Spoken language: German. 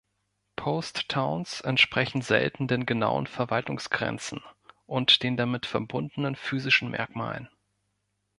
Post Towns entsprechen selten den genauen Verwaltungsgrenzen und den damit verbundenen physischen Merkmalen.